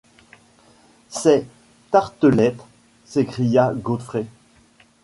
C’est Tartelett! s’écria Godfrey.